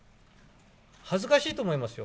恥ずかしいと思いますよ。